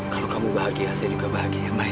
kalau kamu bahagia saya juga bahagia